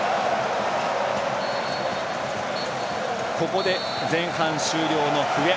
ここで前半終了の笛。